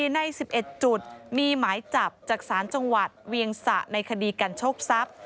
ใน๑๑จุดมีหมายจับจากศาลจังหวัดเวียงสะในคดีกันโชคทรัพย์